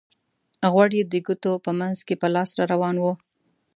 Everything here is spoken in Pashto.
غوړ یې د ګوتو په منځ کې په لاس را روان وو.